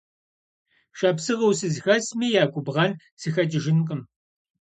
Шапсыгъыу сызыхэсми я губгъэн сыхэкӏыжынкъым.